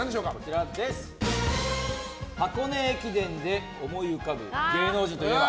箱根駅伝で思い浮かぶ芸能人といえば？